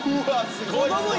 すごい。